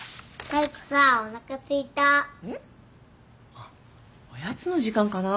あっおやつの時間かな。